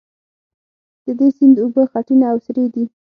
د دې سیند اوبه خټینې او سرې دي.